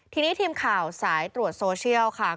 ทีนี้ทีมข่าวสายตรวจโซเชียลค่ะ